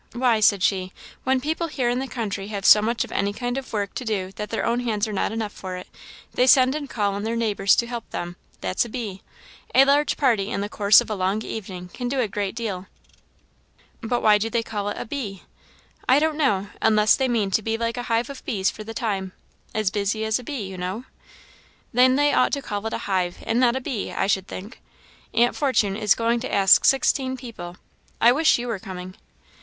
"Why," said she, "when people here in the country have so much of any kind of work to do that their own hands are not enough for it, they send and call in their neighbours to help them that's a bee. A large party in the course of a long evening can do a great deal." "But why do they call it a bee?" "I don't know, unless they mean to be like a hive of bees for the time. 'As busy as a bee,' you know." "Then they ought to call it a hive, and not a bee, I should think. Aunt Fortune is going to ask sixteen people. I wish you were coming!"